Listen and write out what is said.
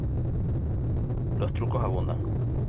Los trucos abundan.